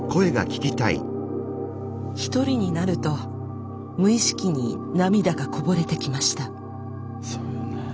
一人になると無意識に涙がこぼれてきました。